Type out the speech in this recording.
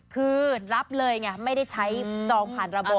คือรับเลยไงไม่ได้ใช้จองผ่านระบบ